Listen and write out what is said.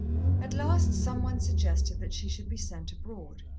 At last some one suggested that she should be sent abroad.